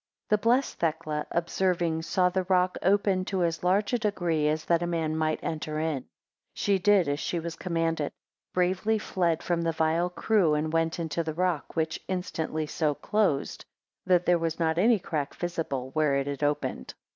12 The blessed Thecla observing, saw the rock opened to as large a degree as that a man might enter in; she did as she was commanded, bravely fled from the vile crew, and went into the rock, which instantly so closed, that there was not any crack visible where it had opened.